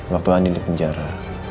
waktu andi di penjara